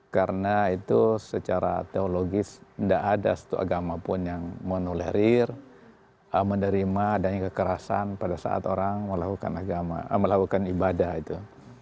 karena itu secara teologis enggak ada satu agama pun yang menulerir menerima adanya kekerasan pada saat orang melakukan ibadah itu